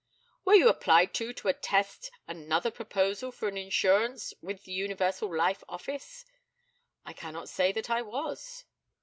Were you applied to to attest another proposal for an insurance with the Universal Life Office? I cannot say that I was.